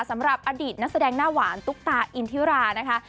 สำหรับอดีตนักแสดงหน้าหวานตุ๊กตาอินทิรานะคะ